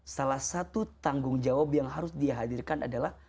salah satu tanggung jawab yang harus dihadirkan adalah